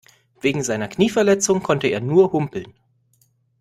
Wegen seiner Knieverletzung konnte er nur humpeln.